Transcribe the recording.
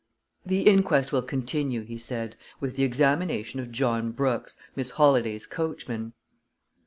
"The inquest will continue," he said, "with the examination of John Brooks, Miss Holladay's coachman."